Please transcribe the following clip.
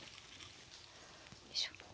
よいしょ。